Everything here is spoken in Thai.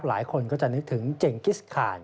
หลายคนก็จะนึกถึงเจงกิสคาน